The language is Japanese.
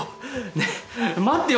ねえ待ってよ